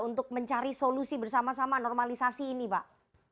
untuk mencari solusi bersama sama normalisasi ini pak